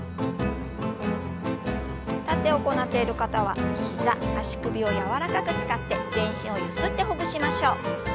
立って行っている方は膝足首を柔らかく使って全身をゆすってほぐしましょう。